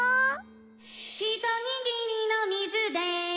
「ひとにぎりの水で」